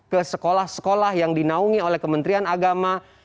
ke sekolah sekolah yang dinaungi oleh kementerian agama